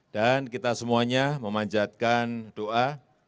dan kita semuanya memanjatkan doa